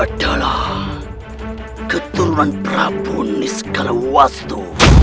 aku adalah keturunan prabu nisqalawastu